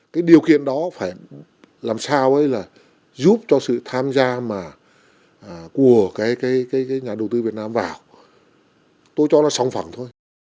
cái điều kiện đó phải làm sao giúp cho sự tham gia của nhà đầu tư việt nam vào tôi cho nó song phẳng thôi